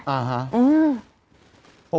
อ่าฮะ